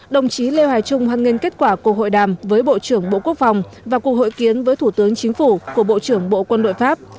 đồng chí lê hoài trung hoan nghênh kết quả cuộc hội đàm với bộ trưởng bộ quốc phòng và cuộc hội kiến với thủ tướng chính phủ của bộ trưởng bộ quân đội pháp